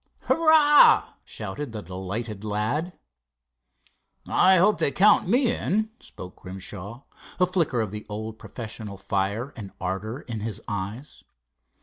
"Hurrah!" shouted the delighted lad. "I hope they count me in," spoke Grimshaw, a flicker of the old professional fire and ardor in his eyes.